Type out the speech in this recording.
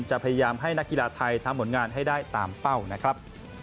พยายามให้นักกีฬาไทยทำผลงานให้ได้ตามเป้านะครับ